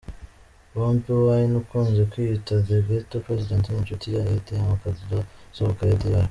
Bobi Wine ukunze kwiyita The Ghetto President ni inshuti y’akadasohoka ya Dr.